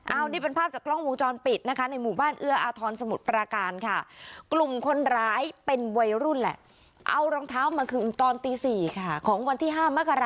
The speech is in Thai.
เอานี่เป็นภาพจากกล้องมูลจรปิดนะคะในหมู่บ้านเอื้ออาทร